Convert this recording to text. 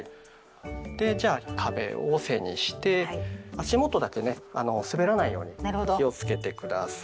でじゃあ壁を背にして足元だけね滑らないように気をつけて下さい。